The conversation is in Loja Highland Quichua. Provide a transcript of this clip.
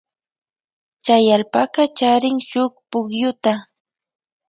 Chay allpaka charin shuk pukyuta.